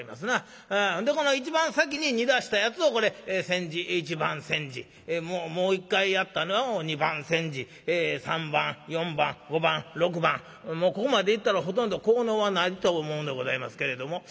でこの一番先に煮出したやつをこれ一番煎じもう一回やったのを二番煎じ三番四番五番六番もうここまでいったらほとんど効能はないと思うんでございますけれども。